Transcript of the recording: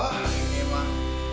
wah ini emang